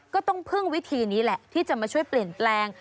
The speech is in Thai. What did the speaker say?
ก็ต้องพึ่งวิธีนี้แหละที่จะมาช่วยเปลี่ยนแปลง